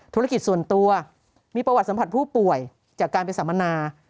ธุรกิจส่วนตัวมีประวัติสัมผัสผู้ป่วยจากการไปสัมมนา